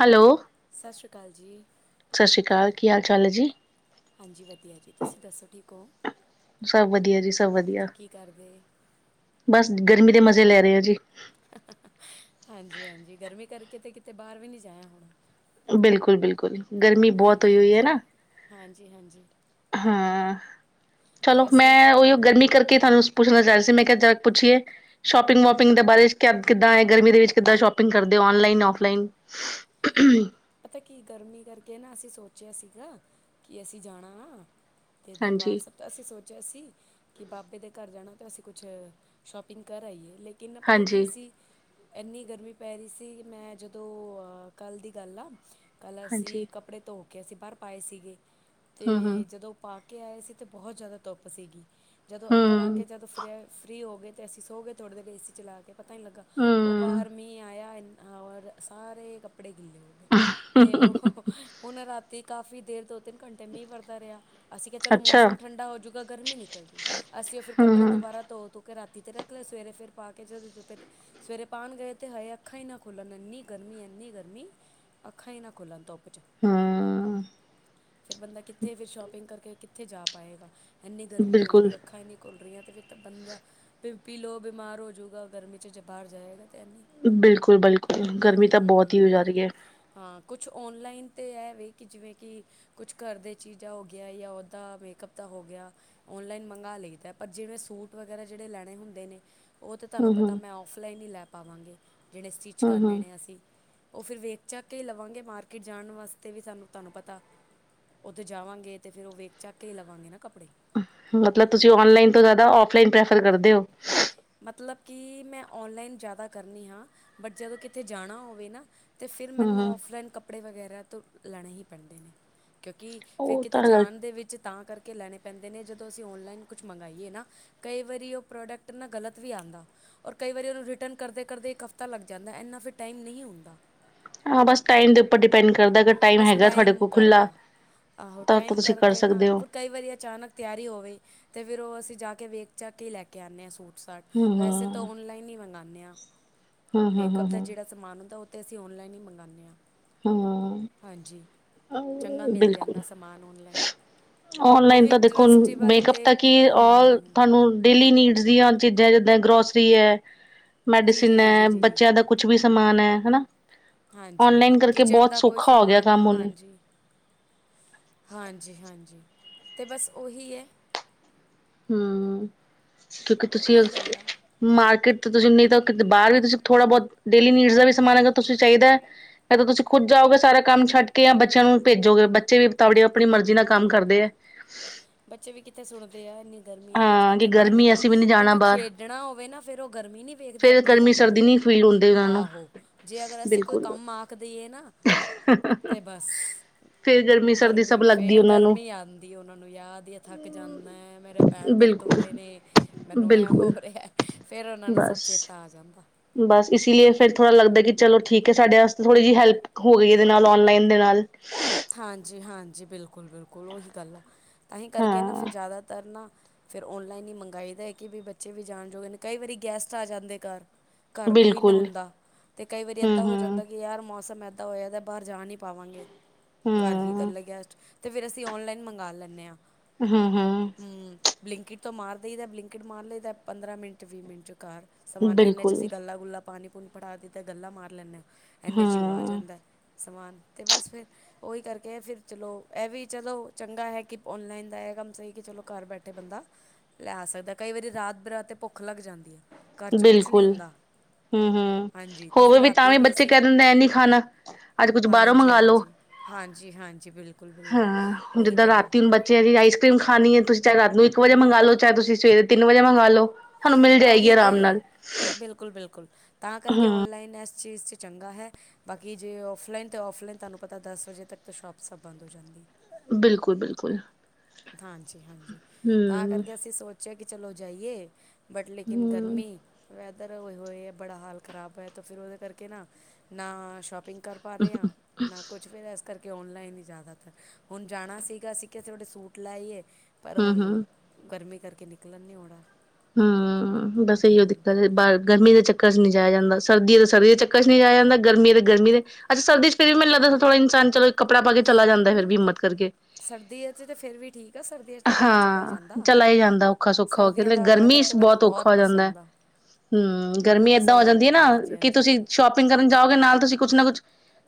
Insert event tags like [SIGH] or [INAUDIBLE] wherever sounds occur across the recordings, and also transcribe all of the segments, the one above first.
Hello. ਸਾਸਰੀ ਕਾਲ ਜੀ। ਸਤਿ ਸ਼੍ਰੀ ਅਕਾਲ ਕੀ ਹਾਲ-ਚਾਲ ਏ ਜੀ? ਹਾਂਜੀ ਵਧੀਆ ਜੀ ਤੁਸੀਂ ਦੱਸੋ ਠੀਕ ਹੋ? ਸਭ ਵਧੀਆ ਜੀ ਸਭ ਵਧੀਆ। ਹਾਂਜੀ ਕੀ ਕਰਦੇ ਬਸ ਗਰਮੀ ਦੇ ਮਜ਼ੇ ਲੈ ਰਹੇ ਆ ਜੀ। ਹਾਂਜੀ-ਹਾਂਜੀ, ਗਰਮੀ ਕਰਕੇ ਤੇ ਕਿਤੇ ਬਾਹਰ ਵੀ ਨੀ ਜਾਇਆ ਬਿਲਕੁਲ-ਬਿਲਕੁਲ, ਗਰਮੀ ਬਹੁਤ ਹੋਈ ਹੋਈ ਏ ਨਾ। ਜੀ ਹਾਂਜੀ। ਹਾਂ, ਚਲੋ ਤੇ ਅਸੀਂ ਮੈਂ ਓਹੀਓ ਗਰਮੀ ਕਰਕੇ ਤੁਹਾਨੂੰ ਪੁੱਛਣਾ ਚਾ ਰੀ ਸੀ, ਮੈਂ ਕਿਆ ਜ ਪੁੱਛੀਏ ਸ਼ੋਪਿੰਗ ਵੋਪਿੰਗ ਦੇ ਬਾਰੇ ਚ ਕੈ ਕਿੱਦਾਂ ਏ ਗਰਮੀ ਦੇ ਵਿੱਚ ਕਿੱਦਾਂ ਸ਼ੋਪਿੰਗ ਕਰਦੇ? Online offline. ਪਤਾ ਕੀ ਗਰਮੀ ਕਰਕੇ ਨਾ ਅਸੀਂ ਸੋਚਿਆ ਸੀਗਾ, ਕਿ ਅਸੀਂ ਜਾਣਾ ਏ। ਤੇ ਦਰਬਾਰ ਹਾਂਜੀ ਸਭ ਤਾਂ ਅਸੀਂ ਸੋਚ ਚੇਆ ਸੀਂ ਕਿ ਬਾਬੇ ਦੇ ਘਰ ਜਾਣਾ ਤਾ ਅਸੀਂ ਕੁਛ ਸ਼ੋਪਿੰਗ ਕਰ ਆਈਏ ਲੇ ਕਿੰਨਾ ਨਾ ਪਤਾ ਕੀ ਹਾਂਜੀ ਸੀ। ਐਨੀ ਗਰਮੀ ਪੈ ਰੀ ਸੀ ਕਿ ਮੈਂ ਜਦੋਂ ਅ ਕੱਲ੍ਹ ਦੀ ਗੱਲ ਆ। ਕੱਲ੍ਹ ਅਸੀਂ ਹਾਂਜੀ ਕੱਪੜੇ ਧੋ ਕੇ ਅਸੀਂ ਬਾਰ ਪਾਏ ਸੀਗੇ ਹਮ ਹਮ ਤੇ ਜਦੋਂ ਪਾ ਕੇ ਆਏ ਸੀ ਤੇ ਬਹੁਤ ਜੈਦਾ ਧੁੱਪ ਸੀਗੀ ਜਦੋਂ ਅੰਦਰ ਆ ਹਮ ਕੇ ਜਦੋਂ ਫ੍ਰ ਫ੍ਰੀ ਹੋ ਗੇ ਤੇ ਅਸੀਂ ਸੋ ਗਏ ਥੋੜ੍ਹੀ ਦੇਰ ਏ ਸੀ ਚਲਾ ਕੇ ਪਤਾ ਨ੍ਹੀਂ ਲੱਗਾ ਓਹ ਹਮ ਬਾਹਰ ਮੀਂਹ ਆਯਾ ਅਹੌਰ ਸਾਰੇ ਕੱਪੜੇ ਗਿੱਲੇ ਹੋ ਗੇ [INAUDIBLE] ਤੇ ਓਹ ਹੁਣ ਰਾਤੀ ਕਾਫ਼ੀ ਦੇਰ ਤੋਂ ਤਿੰਨ ਘੰਟੇ ਮੀਹ ਵਰਦਾ ਰਿਹਾ ਅਸੀਂ ਕਿਹਾ ਚਲੋ ਅੱਛਾ ਮੌਸਮ ਠੰਡਾ ਹੋਜੂਗਾ ਗਰਮੀ ਨਿਕਲ ਜੂ ਅਸੀਂ ਓਹ ਫਿਰ ਹਮ ਕੱਪੜੇ ਹਮ ਦੁਬਾ ਬਾਰਾ ਧੋ-ਧੂ ਕੇ ਰਾਤ ਤੀ ਤੇ ਰੱਖ ਲੇ ਸਵੇਰੇ ਫਿਰ ਪਾ ਕੇ ਜਦੋਂ ਦੁਪੇਰ ਸਵੇਰੇ ਪਾਣ ਗਏ ਤੇ ਹਏ ਅੱਖਾਂ ਹੀ ਨਾ ਖੁੱਲਣ ਏੰਨੀ ਗਰਮੀ ਐਨ ਇੰਨੀ ਗਰਮੀ ਅੱਖਾਂ ਹੀ ਨਾ ਖੁੱਲਣ ਧੁਪ 'ਚ ਹਮ ਫਿਰ ਬੰਦਾ ਕਿੱਥੇ ਫਿਰ ਸ਼ੋਪਿੰਗ ਕਰਕੇ ਕਿੱਥੇ ਜਾ ਪਾਏਗਾ ਇੰਨੀ ਗਰਮੀ ਹੋਈ ਬਿਲਕੁਲ ਦੀ ਅੱਖਾਂ ਇੰਨੀ ਖੁਲ ਰੀਆਂ। ਤੇ ਫਿਰ ਤਾਂ ਬੰਦਾ ਪੀ ਲੋ ਬਿਮਾਰ ਹੋ ਜੂਗਾ ਗਰਮੀ 'ਚ ਜੇ ਬਾਰ ਜਾਏਗਾ। ਤਾਂ ਇੰਨੀ ਬਿਲਕੁਲ -ਬਿਲਕੁਲ ਗਰਮੀ ਤਾਂ ਬੋਤ ਹੀ ਹੋ ਜਾ ਰੀ ਏ। ਹਾਂਕੁਛ ਔਨਲਾਈਨ ਤੇ ਐਵੇਂ ਕਿ ਜਿਵੇਂ ਕਿ ਕੁਛ ਘਰ ਦੇ ਚੀਜ਼ਾਂ ਹੋ ਗਿਆ ਯਾ ਓਦਾ ਮੇਕ ਕਪ ਤਾ ਹੋ ਗਿਆ ਔਨਲਾਈਨ ਮੰਗਾ ਲਈ ਦੈ ਪਰ ਜਿਵੇਂ ਸੂਟ ਵਗੈਰਾ ਜੇੜੇ ਲੈਣੇ ਹੁੰਦੇ ਨੇ ਓਹ ਤਾਂ ਤਾਨੂੰ ਹੂੰ ਹੂੰ ਪਤਾ ਮੈਂ ਔਫਲਾਈਨ ਹੀ ਲੈ ਪਾਵਾਂਗੀ ਜਿਨੇ ਸਟਿੱਚ ਹੂੰ ਕਰਨੇ ਹੂੰ ਨੇ ਅਸੀਂ ਓਹ ਫਿਰ ਵੇਖ ਚੱਕ ਕੇ ਹੀ ਲਵਾਂਗੇ ਮਾਰਕੀਟ ਜਾਣ ਵਾਸਤੇ ਵੀ ਸਾਨੂੰ ਤਾਨੂੰ ਪਤਾ ਓਥੇ ਜਾਵਾਂਗੇ ਤੇ ਫੇਰ ਓਹ ਵੇਖ ਚੱਕ ਕੇ ਹੀ ਲਵਾਂਗੇ ਨਾ ਕੱਪੜੇ ਮਤਲਬ ਤੁਸੀਂ ਔਨਲਾਈਨ ਤੋਂ ਜੈਦਾ ਔਫਲਾਈਨ ਪ੍ਰੈਫਰ ਕਰਦੇ ਔ। ਮਤਲਬ ਕਿ ਮੈਂ ਔਨਲਾਈਨ ਜੈਦਾ ਕਰਨੀ ਹਾਂ ਬਟ ਜਦੋਂ ਕਿੱਥੇ ਜਾਣਾ ਹੋਵੇ ਨਾ ਤੇ ਫਿਰ ਹੂੰ ਮੈਨੂੰ ਹੂੰ ਔਫਲਾਈਨ ਕੱਪੜੇ ਵਗੈਰਾ ਤੋਂ ਲੈਣੇ ਹੀ ਪੈਂਦੇ ਨੇ। ਕਿਉਂਕਿ ਫੇਰ ਉਹ ਕਿਤੇ ਤਾਂ ਗੱਲ ਜਾਣ ਦੇ ਵਿੱਚ ਤਾਂ ਕਰ ਕੇ ਲੈਣੇ ਪੈਂਦੇ ਨੇ ਜਦੋਂ ਅਸੀਂ ਔਨਲਾਈਨ ਕੁਛ ਮੰਗਾਈਏ ਨਾ ਕਈ ਵਾਰੀ ਓਹ ਪ੍ਰੋਡਕ ਟ ਨਾ ਗਲਤ ਵੀ ਆਂਦਾ ਔਰ ਕਈ ਵਾਰੀ ਓਨੂੰ ਰਿਟਨ ਕਰਦੇ ਕਰਦੇ ਇੱਕ ਹਫ਼ਤਾ ਲੱਗ ਜਾਂਦੈ, ਐਨਾ ਫਿਰ ਟਾਈਮ ਨਹੀਂ ਹੁੰਦਾ। ਹਾਂ ਬਸ ਟਾਈਮ ਦੇ ਉੱਪਰ ਡਿਪੈਂਡ ਕਰਦੈ ਅਗਰ ਟਾਈਮ ਬਸ ਹੈਗਾ ਤੁਹਾਡੇ ਕੋਲ ਕਰ ਖੁੱਲ੍ਹਾ ਕਾ ਆਹੋ ਟਾਈਮ ਕਰਕੇ ਨਾ ਵੀ ਕਈ ਵਾਰੀ ਅਚਾਨਕ ਤਿਆਰੀ ਹੋਵੇ ਤੇ ਫਿਰ ਓਹ ਅਸੀਂ ਜਾ ਕੇ ਵੇਖ ਚਾਕੇ ਈ ਲੈ ਕੇ ਆਣੇ ਆਂ ਸੂਟ-ਸਾਟ ਹੂੰ ਵੈਸੇ ਤਾਂ ਹੂੰ ਔਨਲਾਈਨ ਹੀ ਮੰਗਾਣੇ ਆਂ। ਹੂੰ ਹੂੰ ਮੇਕਅਪ ਦਾ ਹੂੰ ਜਿਹੜਾ ਸਮਾਨ ਹੁੰਦਾ ਉਹ ਤੇ ਅਸੀਂ ਔਨਲਾਈਨ ਹੀ ਮੰਗਵਾਉਂਦੇ ਹਾਂ। ਹੂੰ ਹੂੰ ਹਾਂਜੀ ਚੰਗਾ ਮਿਲ ਬਿਲਕੁਲ ਜਾਂਦਾ ਸਮਾਨ ਔਨਲਾਈਨ ਉਹ ਔਨਲਾਈਨ ਵੀ ਤਾਂ ਦੇਖੋ ਟਰਸਟੇਬਲ ਮੇਕਅਪ ਅਤੇ ਤਾਂ ਕੀ ਹੂੰ ਹੂੰ ਔਲ ਹੂੰ ਤੁਹਾਨੂੰ ਡੇਲੀ ਨੀਡਸ ਦੀਆਂ ਚੀਜ਼ਾਂ ਜਿਦਾਂ ਗਰੋਸਰੀ ਹੈ ਜੀ ਜੀ ਮੈਡੀਸਿਨ ਜੀ ਜੀ ਹੈ ਜੀ ਜੀ ਬੱਚਿਆਂ ਦਾ ਕੁਛ ਵੀ ਸਮਾਨ ਹੈ ਹਨਾ। ਹਾਂਜੀ ਕਿ ਔਨਲਾਈਨ ਕਰਕੇ ਕਿਚਨ ਬਹੁਤ ਦਾ ਕੋਈ ਸੌਖਾ ਹੋ ਗਿਆ ਸਮਾਨ ਆ ਕੰਮ ਹੁਣ ਹਾਂਜੀ-ਹਾਂਜੀ-ਹਾਂਜੀ। ਅਤੇ ਬਸ ਔਹੀ ਹੈ। ਹੂੰ, ਕਿਉਂਕਿ ਤੁਸੀਂ ਉਹੀ ਗੱਲ ਆ ਮਾਰਕੀਟ ਤੁਸੀਂ ਨਹੀਂ ਤਾਂ ਬਾਹਰ ਵੀ ਤੁਸੀਂ ਥੋੜਾ ਬਹੁਤ ਡੇਲੀ ਨੀਡ ਦਾ ਵੀ ਸਮਾਨ ਤੁਸੀਂ ਚਾਹੀਦਾ ਹੈ ਤੁਸੀਂ ਖੁਦ ਜਾ ਸਾਰਾ ਕੰਮ ਛੱਡ ਕੇ ਜਾਂ ਬੱਚਿਆਂ ਨੂੰ ਭੇਜੋਗੇ ਬੱਚੇ ਵੀ ਤਵੜੇ ਆਪਣੀ ਮਰਜ਼ੀ ਨਾਲ ਕੰਮ ਕਰਦੇ ਹੈ। ਬੱਚੇ ਵੀ ਕਿੱਥੇ ਸੁਣਦੇ ਇੰਨੀ ਗਰਮੀ ਹੈ ਹਾਂ ਕਿ ਕਿੱਥੇ ਬਾਹਰ ਗਰਮੀ ਨਿਕਲਦੀ ਅਸੀਂ ਵੀ ਨਹੀਂ ਹੁਣ ਜਾਣਾ ਜੋੇ ਬਾਹਰ ਖੇਡਣਾ ਹੋਵੇ ਨਾ ਫਿਰ ਉਹ ਗਰਮੀ ਨੀ ਵੇਖਦੇ ਫੇਰ ਆਪਣੇ ਗਰਮੀ ਕੰਮ ਸਰਦੀ ਨਹੀਂ ਫੀਲ ਹੁੰਦੀ ਉਹਨਾਂ ਨੂੰ ਆਹੋ ਜੇ ਅਗਰ ਅਸੀਂ ਕੋਈ ਬਿਲਕੁਲ ਕੰਮ ਆਖ ਦਈਏ ਨਾ। ਤਾਂ ਬਸ [INAUDIBLE] ਫੇਰ ਗਰਮੀ ਸਰਦੀ ਸਭ ਲੱਗਦੀ ਫਿਰ ਉਹਨਾਂ ਨੂੰ ਗਰਮੀ ਆਉਂਦੀ ਉਹਨਾਂ ਯਾਦ ਥੱਕ ਜਾਂਦਾ, ਏ ਪੈਰ ਦਰਦ ਹੋ ਬਿਲਕੁਲ ਰਹੇ ਨੇ ਮੈਨੂੰ ਇਹ ਬਿਲਕੁਲ ਹੋ ਰਿਹਾ ਫੇਰ ਉਹਨਾਂ ਨੂੰ ਸਭ ਬਸ ਚੇਤਾ ਆ ਜਾਂਦਾ। ਬਸ ਇਸ ਲਈਏ ਫਿਰ ਥੋੜ੍ਹਾ ਲੱਗਦਾ ਕਿ ਚਲੋ ਠੀਕ ਹੈ ਸਾਡੇ ਵਾਸਤੇ ਥੋੜ੍ਹੀ ਜਿਹੀ ਹੈਲਪ ਹੋ ਗਈ ਇਹਦੇ ਨਾਲ ਔਨਲਾਈਨ ਦੇ ਨਾਲ ਹਾਂਜੀ-ਹਾਂਜੀ ਬਿਲਕੁਲ-ਬਿਲਕੁਲ ਉਹੀ ਗੱਲ ਆ ਤਾਂ ਹੀ ਕਰਕੇ ਨਾ ਹਾਂ ਫਿਰ ਜ਼ਿਆਦਾਤਰ ਨਾ ਫੇਰ ਔਨਲਾਈਨ ਹੀ ਮੰਗਾਈ ਦਾ ਹੈ ਕਿ ਵੀ ਬੱਚੇ ਵੀ ਜਾਣ ਜੋੋਗੇ ਨੇ ਕਈ ਵਾਰੀ ਗੈਸਟ ਆ ਜਾਂਦੇ ਘ ਘਰ ਕੋਈ ਨਾ ਬਿਲਕੁਲ ਹੁੰਦਾ ਤੇ ਕਈ ਵਾਰੀ ਹਮ ਏਦਾਂ ਹੋ ਹਮ ਜਾਂਦਾ ਕਿ ਯਾਰ ਮੌਸਮ ਇਦ ਤਾ ਹੋਇਆ ਤਾਂ ਬਾਹਰ ਜਾ ਨੀ ਪਾਵਾਂਗੇ ਘਰ ਵੀ ਕਰ ਹੂੰ, ਲ ਗਈਸਟ ਅਤੇ ਫਿਰ ਅਸੀਂ ਔਨਲਾਈ ਮੰਗਵਾ ਲੈਂਦੇ ਹਾਂ। ਹੂੰ-ਹੂੰ, ਹੂੰ ਬਲਿੰਕਿਟ ਤੋਂ ਮਾਰਦੇਈਦਾ ਬਲਿੰਕਿਟ ਮਾਰ ਲਈਦਾ ਪੰਦਰਾਂ ਮਿੰਟ ਵੀਹ ਮਿੰਟ 'ਚ ਘਰ ਸਮਾਨ ਇਨੇ ਬਿਲਕੁਲ ਚ ਅਸੀਂ ਗੱਲਾਂ ਗੁੱਲਾ ਪਾਣੀ ਪੂਣੀ ਪੜਾ ਦਿੱਤੇ ਗੱਲਾ ਮਾਰ ਲੈਂਦੇ ਹਾਂ। ਐਨੇੱਚ ਔ ਆ ਹੂੰ, ਜਾਂਦਾ ਸਮਾਨ ਤੇ ਬਸ ਫਿਰ, ਉਹੀ ਕਰਕੇ ਫਿਰ ਚਲੋ ਇਹ ਵੀ ਚਲੋ ਚੰਗਾ ਹੈ ਕਿ ਔਨਲਾਈਨ ਦਾ ਇਹ ਕੰਮ ਸਹੀ ਕਿ ਚਲੋ ਘਰ ਬੈਠੇ ਬੰਦਾ ਲੈ ਸਕਦਾ ਕਈ ਵਾਰੀ ਰਾਤ ਬਰਾਤ ਤੇ ਭੁੱਖ ਲੱਗ ਜਾਂਦੀ ਆ ਘਰ ਚ ਕੁਛ ਨਹੀਂ ਬਿਲਕੁਲ ਹੁੰਦਾ ਹੂੰ-ਹੂੰ ਹਾਂਜੀ ਹੋਰ ਫਿਰ ਵੀ ਤਾਂ ਰਾਤੀ ਵੀ ਬੱਚੇ ਅਸੀਂ ਕਹਿ ਦਿੰਦੇ ਐ ਨੀ ਖਾਣਾ ਅੱਜ ਕੁੱਛ ਬਾਹਰੋਂ ਮੰਗਵਾਲੋ ਹਾਂਜੀ-ਹਾਂਜੀ ਬਿਲਕੁਲ, ਬਿਲਕੁਲ ਹਾਂ ਹੁਣ ਉਹੀ ਜਿੱਦਾਂ ਗੱਲ ਆ ਰਾਤੀ ਹੁਣ ਬੱਚੇ ਆ ਜੀ ਰਾਈਸ ਆਈਸ ਕ੍ਰੀਮ ਖਾਣੀ ਹੈ ਤੁਸੀਂ ਰਾਤ ਨੂੰ ਇਕ ਵਜੇ ਮੰਗਾ ਲੋ ਜਾਹੇ ਤੁਸੀਂ ਸਵੇਰੇ ਤਿੰਨ ਵਜੇ ਮੰਗਾਲੋ। ਉਹੀ ਤੇ ਬਿਲਕੁਲ-ਬਿਲਕੁਲ ਤਾਂ ਕਰਕੇ ਹਾਂ ਔਨਲਾਈਨ ਇਸ ਚੀਜ਼ 'ਚ ਚੰਗਾ ਹੈ ਬਾਕੀ ਜੇ ਔਫਲਾਈਨ ਤਾਂ ਔਫਲਾਈਨ ਤੁਹਾਨੂੰ ਪਤਾ ਦਸ ਵਜੇ ਤੱਕ ਤਾਂ ਸ਼ੋਪ ਸਭ ਬੰਦ ਹੋ ਜਾਂਦੀ। ਬਿਲਕੁਲ-ਬਿਲਕੁਲ। ਹਾਂਜੀ-ਹਾਂਜੀ ਤਾਂ ਹੂੰ, ਕਰਕੇ ਅਸੀਂ ਸੋਚਿਆ ਕਿ ਚਲੋ ਜਾਈਏ ਬਟ ਲੇਕਿਨ ਹੂੰ, ਗਰਮੀ ਵੈ, ਉੱਧਰ ਹੋਏ ਹੋਏ ਹੈ ਬੜਾ ਹਾਲ ਖਰਾਬ ਹੋਇਆ ਤਾਂ ਫਿਰ ਉਹਦੇ ਕਰਕੇ ਨਾ ਨਾ ਸ਼ੋਪਿੰਗ ਕਰ ਪਾ ਰਹੇ ਹਾਂ ਨਾ ਕੁੱਛ ਫੇਰ ਇਸ ਕਰਕੇ ਕਿ ਔਨਲਾਈਨ ਹੀ ਜ਼ਿਆਦਾਤਰ ਹੁਣ ਜਾਣਾ ਸੀਗਾ ਅਸੀਂ ਕਿਸੀ ਤੁਹਾਡੇ ਸੂਟ ਲਾਏ, ਪਰ ਹੁਣ ਹੂੰ-ਹੂੰ ਗਰਮੀ ਕਰਕੇ ਨਿਕਲਣ ਨੀ ਆਉਣਾ ਹੂੰ ਬਸ ਇਹੀ ਔ ਦਿੱਕਤ ਬਾਹਰ ਗਰਮੀ ਦੇ ਚੱਕਰ ਚੱਕਰ ਚ ਨਹੀਂ ਜਾਇਆ ਜਾਂਦਾ ਸਰਦੀਆਂ ਤੇ ਸਰਦੀ ਦੇ ਚੱਕਰ ਚ ਨਹੀਂ ਜਾਇ ਜਾਂਦਾ ਗਰਮੀ ਅਤੇ ਤੇ ਗਰਮੀ ਦੇ ਅੱਛ ਸਰਦੀ ਚ ਫਿਰ ਵੀ ਮੈਨੂੰ ਲੱਗਦਾ ਥੋੜ੍ਹਾ ਚਲੋ ਕੱਪੜਾ ਪਾ ਕੇ ਚਲਾ ਜਾਂਦਾ ਫਿਰ ਹੂੰ ਵੀ ਹਿੰਮਤ ਕਰਕੇ ਸਰਦੀਆਂ ਚ ਤੇ ਫਿਰ ਵੀ ਠੀਕ ਆ ਸਰਦੀਆਂ ਚ ਤਾਂ ਬੰਦਾ ਚਲਾ ਹੀ ਜਾਂਦਾ ਹਾਂ ਚਲਾ ਹੀ ਜਾਂਦਾ ਔਖਾ ਸੌਖਾ ਹੋ ਸਰਦੀਆਂ ਕੇ ਦਾ ਵੈਦਰ ਗਰਮੀ ਤਾਂ ਮੈਨੂੰ ਬਹੁਤ ਔਖਾ ਹੋ ਜਾਂਦਾ ਹੈ। ਪਸੰਦ ਆ ਹੂੰ ਮੈਨੂੰ ਗਰਮੀ ਤਾਂ ਏਦਾਂ ਸਹੀ ਹੋ ਜਾਂਦੀ ਹੈ ਲੱਗ ਨਾ ਹਾਂਜੀ ਕਿ ਹਾਂਜੀ ਤੁਸੀਂ ਸ਼ੋਪਿੰਗ ਕਰਨ ਜਾਓਗੇ ਨਾਲ ਤੁਸੀਂ ਕੁਛ ਨਾ ਕੁਛ,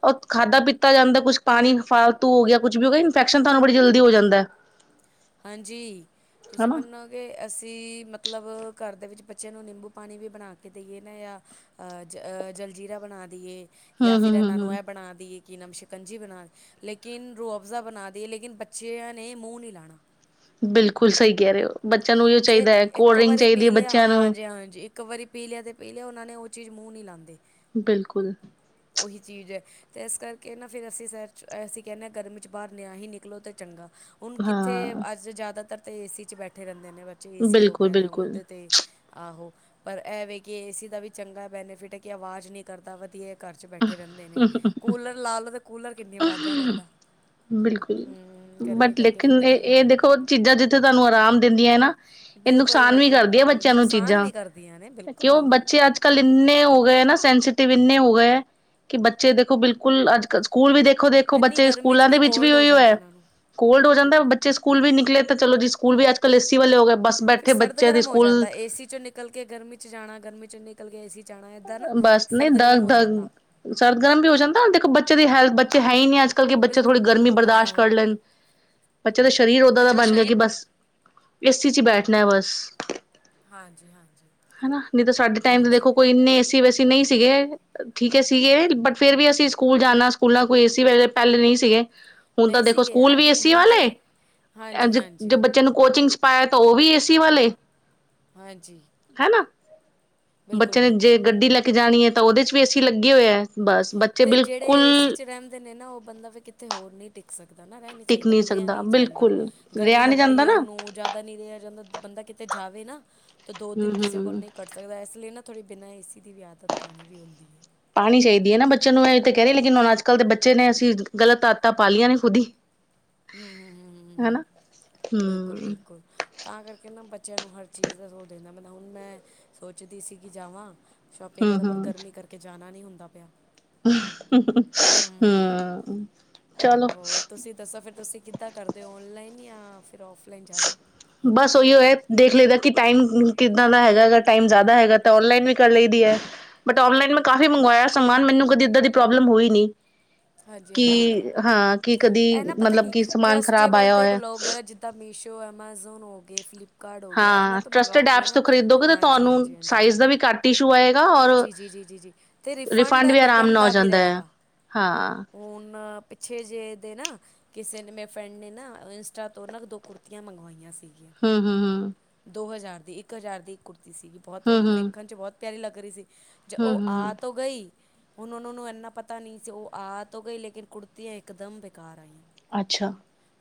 ਉਹ ਖਾਧਾ ਪੀਤਾ ਜਾਂਦਾ ਕੁਛ ਪਾਣੀ ਫਾਲਤੂ ਹੋ ਗਿਆ ਕੁਛ ਵੀ ਹੋ ਗਿਆ ਇਨਫੈਕਸ਼ਨ ਸਾਨੂੰ ਬੜੀ ਜਲਦੀ ਹੋ ਜਾਂਦਾ। ਹਾਂਜੀ ਤੁਸੀਂ ਹਨਾ ਮੰਨੋ ਕਿ ਅਸੀਂ ਮਲ ਮਤਲਬ ਘਰ ਦੇ ਵਿੱਚ ਬੱਚਿਆਂ ਨੂੰ ਨਿੰਬੂ ਪਾਣੀ ਵੀ ਬਣਾ ਕੇ ਦੇਈਏ ਨਾ ਜਾਂ ਜ ਜਲਜੀਰਾ ਬਣਾ ਦੇਈਏ ਹੂੰ ਯ ਹੂੰ ਫਿਰ ਹੂੰ ਇਹਨਾਂ ਨੂੰ ਹੂੰ ਇਹ ਬਣਾ ਦੀ ਕੀ ਨਮਸ਼ਕੰਜੀ ਬਣਾ ਲੇਕਿਨ ਰੋ ਅਫ਼ਜ਼ਾ ਬਣਾ ਦੀ ਲੇਕਿਨ ਬੱਚਿਆਂ ਨੇ ਮੂੰਹ ਨਹੀਂ ਲਾਣਾ ਬਿਲਕੁਲ ਸਹੀ ਕਹਿ ਰਹੇ ਹੋ ਬੱਚਿਆਂ ਨੂੰ ਇਹੀਓ ਜੇ ਚਾਹੀਦਾ ਹੈ ਕੋਲਡ ਇੱਕ ਡਰਿੰਕ ਵਾਰੀ ਚਾਹੀਦੀ ਪੀ ਹੈ ਲਿਆ ਬੱਚਿਆਂ ਨੂੰ ਹਾਂਜੀ- ਹਾਂਜੀ ਇੱਕ ਵਾਰੀ ਪੀ ਲਿਆ ਤੇ ਪੀ ਲਿਆ ਉਹਨਾਂ ਨੇ ਚੀਜ਼ ਮੂੰਹ ਨਹੀਂ ਲਾਉਂਦੇ ਬਿਲਕੁਲ। ਉਹੀ ਚੀਜ਼ ਹੈ ਅਤੇ ਇਸ ਕਰਕੇ ਨਾ ਫਿਰ ਅਸੀਂ ਸਰ 'ਚ ਅਸੀਂ ਕਹਿੰਦੇ ਹਾਂ ਗਰਮੀ 'ਚ ਬਾਹਰ ਨਾ ਹੀ ਨਿਕਲੋ ਤਾਂ ਚੰਗਾ ਹੁਣ ਕਿੱਥੇ ਹਾਂ ਅੱਜ ਜਿਆਦਾਤਰ ਤੇ ਏ ਸੀ ਚ ਬੈਠੇ ਰਹਿੰਦੇ ਨੇ ਬੱਚੇ ਏ ਸੀ ਹੋ ਬਿਲਕੁਲ ਗਿਆ ਤਾਂ ਹੁਣ ਬਿਲਕੁਲ ਤੇ ਤੇ ਆਹੋ ਪਰ ਇਹਵੇ ਕਿ ਇਸ ਦਾ ਵੀ ਚੰਗਾ ਬੈਨੀਫਿਟ ਹੈ ਕਿ ਆਵਾਜ਼ ਨਹੀਂ ਕਰਦਾ ਵਧੀਆ ਘਰ ਚ ਬੈਠੇ ਰਹਿੰਦੇ ਨੇ ਕੂਲਰ ਲਾ ਲੋੋ ਤੇ ਕੂਲਰ ਕਿੰਨੀ ਵਾਜ਼ਾਂ ਕਰਦਾ ਬਿਲਕੁਲ ਹੂੰ ਗਰਮੀ ਬਟ ਕਰਕੇ ਫਿਰ ਲੇਕਿਨ ਇਹ- ਨਿਕਲਣਾ ਇਹ ਦੇਖੋ ਚੀਜ਼ਾਂ ਜਿੱਥੇ ਤੁਹਾਨੂੰ ਆਰਾਮ ਦਿੰਦੀਆਂ ਨਾ ਇਹ ਬਿਲਕੁਲ ਨੁਕਸਾਨ ਵੀ ਬਿਲਕੁਲ ਕਰਦੀ ਆ ਬਿਲਕੁਲ ਬੱਚਿਆਂ ਨੂੰ ਨੁਕਸਾਨ ਚੀਜ਼ਾਂ ਵੀ ਕਰਦੀਆਂ ਨੇ ਬਿਲਕੁਲ ਕਿਉਂ ਬਿਲਕੁਲ ਬੱਚੇ ਅੱਜ ਕੱਲ ਇੰਨੇ ਹੋ ਗਏ ਨਾ ਸੈਂਸਟਿਵ ਇੰਨੇ ਹੋ ਗਏ ਹੈ ਕਿ ਬੱਚੇ ਦੇਖੋ ਬਿਲਕੁਲ ਅੱਜ ਕੱਲ ਸਕੂਲ ਵੀ ਦੇਖੋ ਦੇਖੋ- ਦੇਖੋ ਇੰਨੀ ਬੱਚੇ ਗਰਮੀ 'ਚ ਸਕੂਲਾਂ ਦੇ ਵਿੱਚ ਵੀ ਕੋਲਡ ਉਹੀ ਹੋ ਜਾਂਦਾ ਹੈ ਇਹਨਾਂ ਨੂੰ ਕੋਲਡ ਹੋ ਜਾਂਦਾ ਬੇ ਸਕੂਲ ਵੀ ਨਿਕਲੇ ਤਾਂ ਚਲੋ ਜੀ ਸਕੂਲ ਵੀ ਅੱਜ ਕਲ ਏਸੀ ਵਾਲੇ ਹੋ ਗਏ ਬਸ ਫਿਰ ਬੈਠੇ ਸਰਦ ਬੱਚੇ ਦੀ ਗਰਮ ਹੋ ਸਕੂਲ ਜਾਂਦਾ ਏਸੀ ਚੋਂ ਨਿਕਲ ਕੇ ਗਰਮੀ ਚ ਜਾਣਾ ਗਰਮੀ ਚੋਂ ਨਿਕਲ ਕੇ ਏਸੀ 'ਚ ਆਉਣਾ ਇੱਦਾਂ ਨਾ ਬਸ ਨਹੀਂ ਸਰਦ ਦ ਗਰਮ ਹੋ ਦ ਜਾਂਦਾ ਸਰਦਗਰਮ ਵੀ ਹੋ ਜਾਂਦਾ ਦੇਖੋ ਬੱਚੇ ਦੀ ਹੈਲਥ ਬੱਚੇ ਹੈ ਹੀ ਨਹੀਂ ਅੱਜ ਅੱਜ ਕਲ ਕੇ ਬੱਚੇ ਬਿਲਕੁਲ ਥੋੜ੍ਹੀ ਗਰਮੀ ਬਿਲਕੁਲ ਬਰਦਾਸ਼ਤ ਕਰ ਆਹੋ ਲੈਣ। ਬੱਚੇ ਦਾ ਸਰੀਰ ਓਦਾਂ ਦਾ ਬੱਚੇ ਬਣ ਗਿਆ। ਸ਼ਰੀਰ ਕਿ ਬਸ ਏ ਸੀ ਚ ਬੈਠ ਨਾ ਬਸ। ਹਾਂਜੀ ਹਾਂਜੀ ਹਨਾ। ਨਹੀਂ ਤਾਂ ਸਾਡੇ ਟਾਈਮ ਤੇ ਹਾਂਜੀ ਦੇਖੋ ਕੋਈ ਇੰਨੇ ਵੈਸੀ ਨਹੀਂ ਸੀਗੇ। ਠੀਕ ਹੈ ਸੀਗੇ। ਬਟ ਫੇਰ ਵੀ ਅਸੀਂ ਸਕੂਲ ਜਾਣਾ ਸਕੂਲ ਨਾਲ ਕੋਈ ਏ ਸੀ ਵ ਪਹਿਲੇ ਨਹੀਂ ਸੀਗੇ। ਹੁਣ ਤਾਂ ਨਹੀਂ ਦੇਖੋ ਸੀਗੇ ਸਕੂਲ ਯਾਰ ਵੀ ਏ ਸੀ ਹੁਣ ਵਾਲੇ ਤੇ ਹਾਂਜੀ ਅ। ਹਾਂਜੀ ਬੱਚਿਆਂ ਨੂੰ ਕੋਚਿੰਗ ਹੈ। ਤਾਂ ਉਹ ਵੀ ਏਸੀ ਵਾਲੇ ਹਾਂਜੀ। ਹਨਾ ਬਿਲਕੁਲ-ਬਿਲਕੁਲ ਦੀ ਲੱਗ ਜਾਣੀ ਹੈ। ਤਾਂ ਉਹਦੇ ਚ ਵੀ ਏ ਸੀ ਲੱਗੇ ਹੋਏ ਹੈ। ਬਸ ਬੱਚੇ ਤੇ ਜਿਹੜੇ ਏ ਸੀ ਬਿਲਕੁਲ ਚ ਰਹਿੰਦੇ ਨੇ ਨਾ ਉਹ ਬੰਦਾ ਵੀ ਕਿਥੇ ਹੋਰ ਨਹੀ ਟ ਨਾ ਰਹਿ ਨੀ ਟਿਕ ਸਕਦਾ ਫਿਰ ਰਹਿ ਨਹੀਂ ਜਾਂਦਾ। ਬਿਲਕੁਲ ਗਰਮੀ ਰਿਹਾ ਨਹੀਂ ਲੱਗਦੀ ਜਾਂਦਾ ਹੈ ਨਾ ਉਹਨੂੰ ਜ਼ਿਆਦਾ ਨਹੀਂ ਰਿਹਾ ਜਾਂਦਾ। ਬੰਦਾ ਕਿਤੇ ਜਾਵੇ ਨਾ। ਤਾਂ ਦੋ ਹੂੰ ਦਿਨ ਕਿਸੇ ਕੋਲ ਹੂੰ ਨਹੀਂ ਕੱਟ ਸਕਦਾ। ਇਸ ਲਈ ਨਾ ਥੋੜ੍ਹੀ ਬਿਨਾਂ ਏ ਸੀ ਦੀ ਵੀ ਆਦਤ ਪਾਣੀ ਵੀ ਹੁੰਦੀ ਹੈ। ਪਾਉਣੀ ਚਾਹੀਦੀ ਹੈ ਨਾ ਬੱਚੇ ਨੂੰ ਇਹ ਤਾਂ ਕਹਿ ਰਹੇ ਲੇਕਿਨ ਹੁਣ ਅੱਜ ਕੱਲ੍ਹ ਦੇ ਬੱਚੇ ਨੇ ਅਸੀਂ ਗ਼ਲਤ ਆਦਤਾਂ ਪਾ ਲਈਆਂ ਨੇ ਖੁਦ ਹੀ। ਹੰਮ-ਹੰਮ -ਹੰਮ ਹਨਾ ਬਿਲਕੁਲ ਹੂੰ -ਬਿਲਕੁਲ ਤਾਂ ਕਰਕੇ ਨਾ ਬ ਬੱਚਿਆਂ ਨੂੰ ਹਰ ਚੀਜ਼ ਦਾ [UNINTELLIGIBLE] ਸ ਦਿੰਦਾ ਮ ਹੁਣ ਮੈਂ ਸੋਚਦੀ ਸੀ ਕਿ ਜਾਵਾਂ ਸ਼ੋਪਿੰਗ ਹੂੰ ਕਰਨਾ ਪਰ ਗਰਮੀ ਕਰਕੇ ਜਾਣਾ ਨਹੀਂ ਹੁੰਦਾ ਪਿਆ। ਹੂੰ ਹੰਮ। ਹੋਰ ਤੁਸੀਂ ਦੱਸੋ ਫੇਰ ਤੁਸੀਂ ਕਿੱਦਾਂ ਕਰਦੇ ਹੋ। ਓਨਲਾਈਨ ਯ ਬਸ ਉਹੀਓ ਹੈ। ਦੇਖ ਲਈਦਾ ਕਿ ਟਾਈਮ ਕਿੱਦਾਂ ਦਾ ਹੈਗਾ ਹੈਗਾ ਟਾਈਮ ਜਿਆਦਾ ਹੈਗਾ ਤਾਂ ਔਨਲਾਈਨ ਵੀ ਕਰ ਲਈਦੀ ਹੈ। ਬਟ ਨਲਾਈਨ ਮੈਂ ਕਾਫ਼ੀ ਮੰਗਵਾਇਆ ਸਮਾਨ ਮੈਨੂੰ ਕਦੇ ਏਦਾਂ ਦੀ ਪ੍ਰੋਬਲਮ ਹੋਈ ਨੀ। ਹਾਂਜੀ ਹਾਂਜੀ ਕਿ ਹਾਂ, ਕਿ ਕਦੀ ਇਹ ਨਾ ਪਤਾ ਮਤਲਬ ਕੀ ਕਿ ਸਮਾਨ ਖ਼ਰਾਬ ਆਇਆ ਹੋਇਆ। ਜੋ ਐਮਾਜ਼ੋਨ ਹੋ ਗਏ, ਫਲਿੱਪ ਹਾਂ। ਟਰੱਸਟ ਐਪ ਤੋਂ ਖਰੀਦੋਗੇ ਤੇ ਹਾਂਜੀ ਤੁਹਾਨੂੰ, ਹਾਂਜੀ ਹਾਂਜੀ ਸਾਈਜ਼ ਦਾ ਵੀ ਘੱਟ ਇਸ਼ੂ ਆਏਗਾ। ਔਰ ਜੀ- ਜੀ -ਜੀ- ਜੀ -ਜੀ ਅਤੇ ਰਿਫੰਡ ਵੀ ਐਂਡ ਆਰਾਮ ਰਿਟਰਨ ਨਾਲ ਹੋ ਦਾ ਵੀ ਜਾਂਦਾ ਹੈ ਰਹੇਗਾ। ਹਾਂ ਹੁਣ ਪਿੱਛੇ ਜਿਹੇ ਦੇ ਨਾ, ਕਿਸੇ ਨੇ ਮੇਰੇ ਫਰੈਂਡ ਨੇ ਨਾ ਇੰਸਟਾ ਤੋਂ ਨਾ ਦੋ ਕੁੜਤੀਆਂ ਮੰਗਵਾਈਆਂ ਸੀ। ਹਮ-ਹਮ-ਹਮ ਦੋ ਹਜ਼ਾਰ ਦੀ ਇੱਕ ਹਜ਼ਾਰ ਦੀ ਇੱਕ ਕੁੁਰਤੀ ਸੀਗੀ। ਬਹੁਤ ਹੂੰ ਉਹਨੂੰ ਹੂੰ ਵੇਖਣ ਚ ਬਹੁਤ ਪਿਆਰੀ ਲੱਗ ਰਹੀ ਸੀ। ਜੇ ਹੂੰ ਉਹ ਹੂੰ ਆ ਹੂੰ ਤੋਂ ਗਈ। ਹੁਣ ਉਹਨਾਂ ਨੂੰ ਇੰਨਾ ਪਤਾ ਨਹੀਂ ਸੀ। ਉਹ ਆ ਤੋ ਗਈ। ਲੇਕਿਨ ਕੁੜਤੀਆਂ ਇਕਦਮ ਬੇਕਾਰ ਆਈਆਂ। ਅੱਛਾ।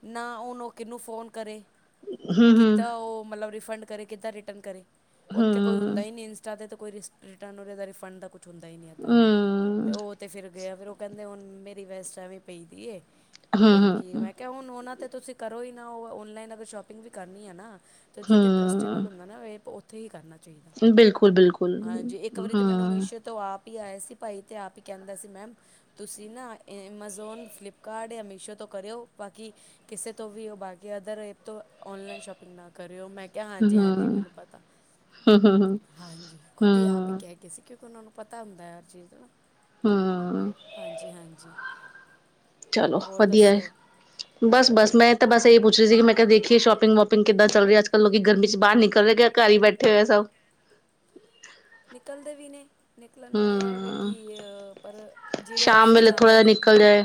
ਨਾ ਹੁਣ ਉਹ ਕਿਹਨੂੰ ਫੋਨ ਕਰੇ। ਹੂੰ ਹੂੰ ਕਿੱਦਾਂ ਉਹ ਮਤਲਬ ਰਿਫੰਡ ਕਰੇ, ਕਿੱਦਾਂ ਰਿਟਰਨ ਕਰੇ। ਹੂੰ ਉੱਥੇ ਕੋਈ ਹੁੰਦਾ ਹੀ ਨਹੀਂ ਇੰਸਟਾ ਤੇ ਕੋਈ ਰਿਟਰਨ ਦਾ ਰਿਫੰਡ ਦਾ ਕੁ ਹੁੰਦਾ ਨਹੀਂ ਉਹ ਤੇ। ਹੂੰ ਉਹ ਤੇ ਫਿਰ ਗਿਆ। ਫਿਰ ਉਹ ਕਹਿੰਦੇ ਹੁਣ ਮੇਰੀ ਵੈਸਟ ਐਵੇਂ ਪਈ ਦੀਏ। ਹੂੰ ਤੇ ਹੁਣ ਹੂੰ ਕੀ ਮੈਂ ਕਿਹਾ ਹੁਣ ਉਹਨਾਂ ਤੇ ਤੁਸੀਂ ਕਰੋ ਹੀ ਨਾ। ਉਹ ਔਨਲਾਈਨ ਅਗਰ ਸ਼ੋਪਿੰਗ ਵੀ ਕਰਨੀ ਆ ਨਾ। ਅਤੇ ਹੂੰ ਜਿੱਥੇ ਟਰੱਸਟੇਬਲ ਹੁੰਦਾ ਨਾ ਇਹ ਉੱਥੇ ਹੀ ਕਰਨਾ। ਚਾਹੀਦਾ ਬਿਲਕੁਲ-ਬਿਲਕੁਲ ਹੂੰ, ਆਏ ਸੀ ਭਾਈ ਤੇ ਆਪ ਹੀ ਕਹਿੰਦਾ ਸੀ ਮੈਮ, ਤੁਸੀਂ ਨਾ ਐਮਾਜ਼ੋਨ, ਫਲਿੱਪਕਾਰਟ ਜਾਂ ਮਿਸ਼ੋ ਤੋਂ ਕਰਿਓ ਬਾਕੀ ਕਿਸੇ ਤੋਂ ਵੀ ਉਹ ਬਾ ਅਦਰ ਐਪ ਤੋਂ ਔਨਲਾਈਨ ਸ਼ੋਪਿੰਗ ਨਾ ਕਰਿਓ। ਮੈਂ ਕਿਹਾ ਹੂੰ ਹਾਂਜੀ-ਹਾਂਜੀ ਹੂੰ ਮੈਨੂੰ ਪਤਾ। ਹਾਂਜੀ। ਹੂੰ ਖੁੱਦ ਹੀ ਆਪ ਹੀ ਕਹਿ ਗਏ ਸੀ। ਕਿਉਂਕਿ ਉਹਨਾਂ ਨੂੰ ਪਤਾ ਹੁੰਦਾ ਹੈ। ਹੋਰ ਚੀਜ਼ ਤੋਂ, ਹੂੰ ਹਾਂਜੀ-ਹਾਂਜੀ ਚਲੋ ਵਧੀਆ ਹੈ। ਬਸ- ਬਸ ਮੈਂ ਤਾਂ ਬਸ ਸਹੀ ਪੁੱਛ ਰਹੀ ਸੀ ਮੈਂ ਕਿਹਾ ਦੇਖੀਏ ਸ਼ੋਪਿੰਗ -ਵੋਪਿੰਗ ਕਿੱਦਾਂ ਚੱਲ ਹੀ ਅੱਜ-ਕੱਲ ਲੋਕੀ ਗਰਮੀ ਚ ਬਾਹਰ ਨਿਕਲ ਰਹੇ। ਘਰ ਹੀ ਬੈਠੇ ਹੋਏ ਸਭ ਨਿਕਲਦੇ ਵੀ ਨੇ ਨਿਕਲਣ ਵਾਲੇ ਇਹ ਵੀ ਹੂੰ, ਕਿ ਪਰ ਜਿਹੜੇ ਸ਼ਾਮ ਫਿਸ ਵੇਲੇ ਥੋੜਾ ਜਾਂਦੇ ਜਿਹਾ ਨੇ। ਨਿਕਲ ਜਾਏ।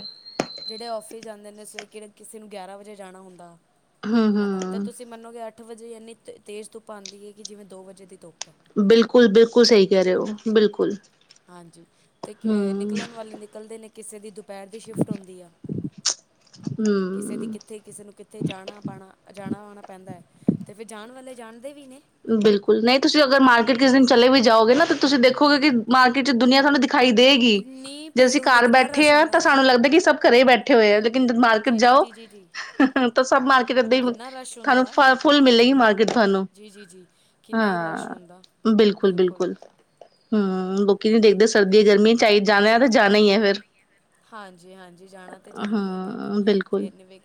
ਜਿਹੜੇ ਆਫਿਸ ਜਾਂਦੇ ਨੇ ਸ ਕਿੜ ਕਿਸੇ ਨੂੰ ਗਿਆਰਾਂ ਵਜੇ ਜਾਣਾ ਹੁੰਦਾ। ਹਨਾ। ਤੇ ਹੂੰ-ਹੂੰ, ਤੁਸੀਂ ਮੰਨੋਗੇ ਅੱਠ ਵਜੇ ਇੰਨੀ ਤੇਜ਼ ਧੁੱਪ ਆਉਦੀ ਹੈ ਕਿ ਜਿਵੇਂ ਦੋ ਵਜੇ ਦੀ ਧੁੱਪ ਹੈ। ਬਿਲਕੁਲ-ਬਿਲਕੁਲ ਸਹੀ ਕਹਿ ਰਹੇ ਹੋ। ਬਿਲਕੁਲ ਹਾਂਜੀ, ਤੇ ਅ ਨਿਕਲਣ ਵਾਲੇ ਨਿਕਲਦੇ ਨੇ ਕਿਸੇ ਦੀ ਦੁਪਹਿਰ ਦੀ ਸ਼ਿਫਟ ਹੁੰਦੀ ਆ, ਕਿਸੇ ਦੀ ਹੂੰ-ਹੂੰ। ਕਿੱਥੇ ਕਿਸੇ ਨੂੰ ਕਿੱਥੇ ਜਾਣਾ ਪਾਣਾ ਜਾਣਾ ਆਣਾ ਪੈਂਦਾ ਤੇ ਫਿਰ ਜਾਣ ਵਾਲੇ ਜਾਣਦੇ ਵੀ ਨੇ ਬਿਲਕੁਲ ਨਹੀਂ, ਤੁਸੀਂ ਅਗਰ ਮਾਰਕੀਟ ਕਿਸ ਦਿਨ ਚਲੇ ਵੀ ਜਾਓਗੇ ਨਾ ਤੇ ਤੁਸੀਂ ਦੇਖੋਗੇ ਕਿ ਮਾਰਕੀਟ ਚ ਦੁਨੀਆਂ ਤੁਹਾਨੂੰ ਦਿਖਾਈ ਦੇਗੀ ਕਿੰਨੀ ਜੇ ਭੀੜ ਅਸੀਂ ਹੁੰਦੀ ਘਰ ਕਿੰਨਾ ਬੈਠੇ ਰਸ਼ ਆ ਤਾਂ ਹੁੰਦਾ। ਸਾਨੂੰ ਲੱਗਦਾ ਕਿ ਸਭ ਘਰੇ ਬੈਠੇ ਹੋਏ ਆ। ਮਾਰਕੀਟ ਜੀ ਜੀ ਜਾਓ। ਜੀ ਜੀ ਜੀ ਤਾਂ ਸਭ ਮਾਰਕੀਟ ਦਾਂ ਹੀ ਕਿੰਨਾ ਰਸ਼ ਤੁਹਾਨੂੰ ਫ ਫੁੱਲ ਮਿਲੇਗੀ ਮਾਰਕੀਟ ਤੁਹਾਨੂੰ ਜੀ-ਜੀ-ਜੀ, ਕਿੰਨਾ ਹੀ ਰਸ਼ ਹਾਂ। ਹੁੰਦਾ ਬਿਲਕੁਲ ਬਿਲਕੁਲ-ਬਿਲਕੁਲ, ਹੂੰ, ਲੋਕੀ ਨੀ ਦੇਖਦੇ ਸਰਦੀ ਗਰਮੀ ਚ ਜਾਣਾ ਆ ਤੇ ਜਾਣਾ ਈ ਐ ਫਿਰ। ਹਾਂਜੀ-ਹਾਂਜੀ, ਜਾਣਾ ਤੇ ਜਾਣਾ ਈ ਐ ਬਿਲਕੁਲ ਫੇਰ ਨੀ ਵੀ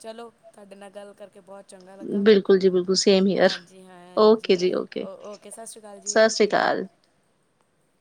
ਚਲੋ ਤੁਹਾਡੇ ਨਾਲ ਗੱਲ ਕਰਕੇ ਬਹੁਤ ਚੰਗਾ ਲੱਗਾ ਬਿਲਕੁਲ ਜੀ ਬਿਲਕੁਲ ਸੇਮ ਹੀਅਰ। ਹਾਂਜੀ ਹਾਂਜੀ, ਓਕੇ ਜੀ ਓ ਓਕੇ ਸਤਿ ਸ਼੍ਰੀ ਅਕਾਲ ਜੀ। ਹੱਲ [UNINTELLIGIBLE]